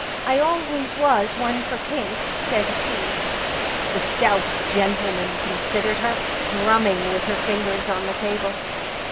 " I always was one for pink," said she. The stout gentleman considered her, drumming with her fingers on the table.